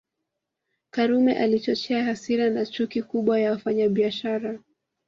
Karume alichochea hasira na chuki kubwa ya wafanyabiashara